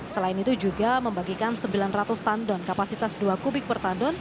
selain itu juga membagikan sembilan ratus tandon kapasitas dua kubik per tandon